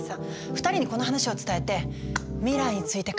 ２人にこの話を伝えて未来について語り合うの。